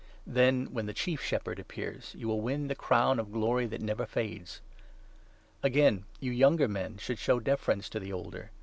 Then, when the 4 Chief Shepherd appears, you will win the crown of glory that never fades. Again, you younger men should show 5 deference to the older.